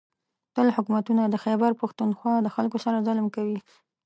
. تل حکومتونه د خېبر پښتونخوا د خلکو سره ظلم کوي